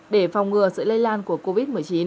để phòng ngừa sự lây lan của covid một mươi chín